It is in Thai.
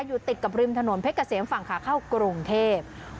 อยู่ติดกับริมถนนเพชรเกษมฝั่งขาเข้ากรุงเทพ